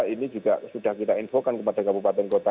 ini juga sudah kita infokan kepada kabupaten kota